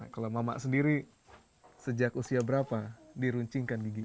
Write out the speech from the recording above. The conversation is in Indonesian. kalau mama sendiri sejak usia berapa diruncingkan giginya